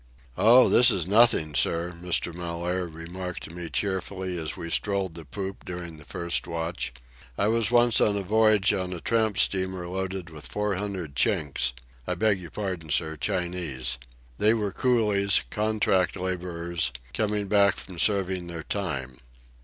"Oh, this is nothing, sir," Mr. Mellaire remarked to me cheerfully as we strolled the poop during the first watch. "I was once on a voyage on a tramp steamer loaded with four hundred Chinks—I beg your pardon, sir—Chinese. They were coolies, contract labourers, coming back from serving their time.